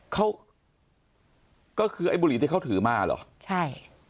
เขาก็คือไอ้บุหรี่ที่เขาถือมาเหรอใช่